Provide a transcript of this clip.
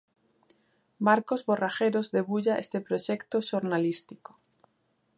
Marcos Borrajeros debulla este proxecto xornalístico.